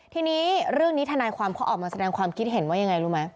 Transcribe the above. ทีนี้เรื่องนี้ทนายความเขาออกมาแสดงความคิดเห็นว่ายังไงรู้ไหม